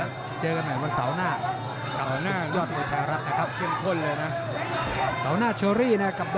เป็นคู่มวยในวันเสาร์หน้ากับยอดมวยไทยรัฐโดยดรส่งชายรัฐรสวรรค์นะครับ